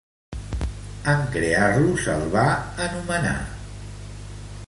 En crear-lo, se'l va anomenar Paseo de Tacón.